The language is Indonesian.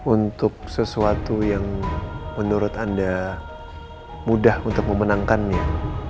untuk sesuatu yang menurut anda mudah untuk memenangkannya